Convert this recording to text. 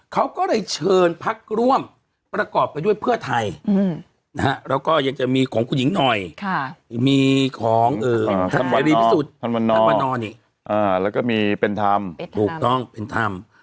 เขาก็เลยเชิญพักร่วมประกอบไปด้วยเพื่อไทยแล้วก็ยังจะมีของคุณหญิงหน่อยมีของท่านวันนอกแล้วก็มีเป็นธรรม